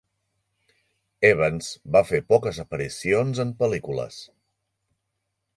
Evans va fer poques aparicions en pel·lícules.